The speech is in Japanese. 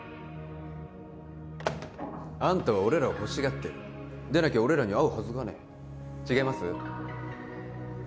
あんたは俺らを欲しがってるでなきゃ俺らに会うはずがねえ違います？